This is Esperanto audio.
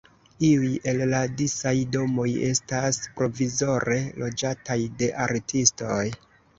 Iuj el la disaj domoj estas provizore loĝataj de artistoj.